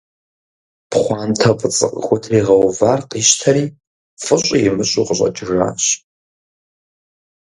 Пхъуантэ фӀыцӀэ къыхутригъэувар къищтэри, фӀыщӀи имыщӀу къыщӀэкӀыжащ.